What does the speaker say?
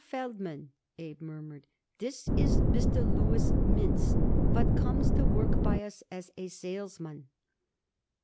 Feldman," Abe murmured, "this is Mr. Louis Mintz what comes to work by us as a salesman."